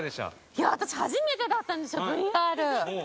いや私初めてだったんですよＶＲ。